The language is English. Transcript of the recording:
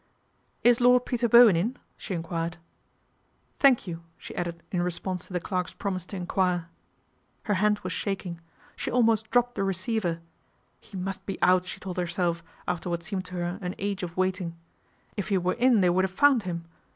" Is Lord Peter Bowen in ?" she enquired. ' Thank you," she added in response to the clerk's promise to enquire. Her hand was shaking. She almost dropptd the receiver. He must be out, she told herself, after what seemed to her an age of waiting. If he were in they would have found him.